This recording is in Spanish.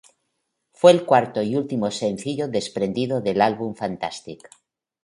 Fue el cuarto y último sencillo desprendido del álbum Fantastic.